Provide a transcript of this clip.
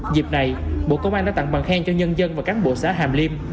dịp này bộ công an đã tặng bằng khen cho nhân dân và cán bộ xã hàm liêm